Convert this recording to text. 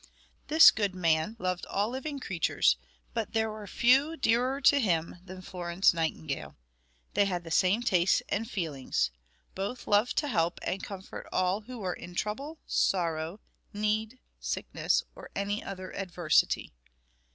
This good man loved all living creatures, but there were few dearer to him than Florence Nightingale. They had the same tastes and feelings. Both loved to help and comfort all who were "in trouble, sorrow, need, sickness, or any other adversity."